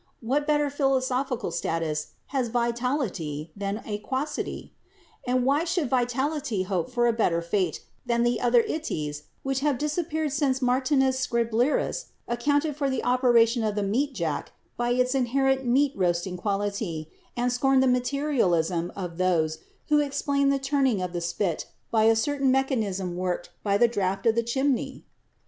What better philosophical status has 'vitality* than 'aquosity'? And why should 'vitality' hope for a better fate than the other 'itys' which have disappeared since Martinus Scriblerus accounted for the operation of the meat jack by its inherent 'meat roasting quality,' and scorned the 'materialism' of those who explained the turning of the spit by a certain mechanism worked by the draft of the chimney?